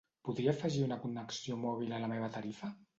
Podria afegir una connexió mòbil a la meva tarifa?